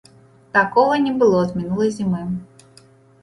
Такога не было з мінулай зімы.